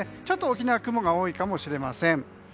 ちょっと沖縄雲が多いかもしれません。